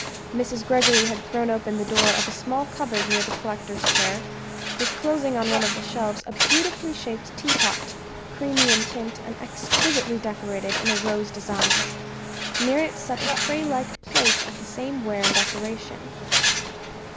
Mrs. Greggory had thrown open the door of a small cupboard near the collector's chair, disclosing on one of the shelves a beautifully shaped teapot, creamy in tint, and exquisitely decorated in a rose design. Near it set a tray like plate of the same ware and decoration.